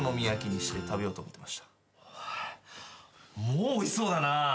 もうおいしそうだな。